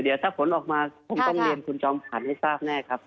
เดี๋ยวถ้าผลออกมาคงต้องเรียนคุณจอมขวัญให้ทราบแน่ครับ